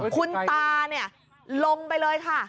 คุณตาลงไปเลยค่ะ